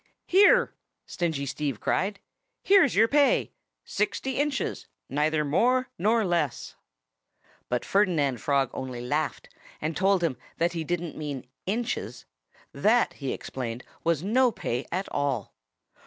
"Here!" Stingy Steve cried. "Here's your pay sixty inches, neither more nor less!" But Ferdinand Frog only laughed and told him that he didn't mean inches. That, he explained, was no pay at all.